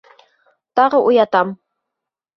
Тағы уятам.